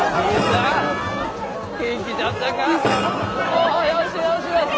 おうよしよしよし。